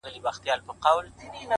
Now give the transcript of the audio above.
ژوند له پوښتنو ډک پاتې کيږي